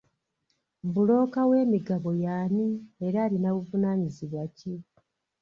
Bbulooka w'emigabo y'ani era alina buvunaanyizibwa ki?